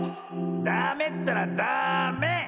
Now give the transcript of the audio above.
ダメったらダメ！